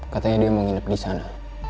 katanya dia mau nginep disana